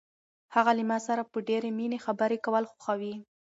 هغه له ما سره په ډېرې مینه خبرې کول خوښوي.